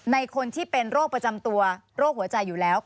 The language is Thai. คนที่เป็นโรคประจำตัวโรคหัวใจอยู่แล้ว